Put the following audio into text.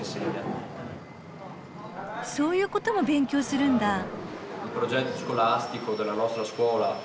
そういうことも勉強するんだ。